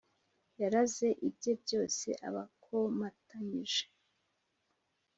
Yaraze ibye byose abakomatanyije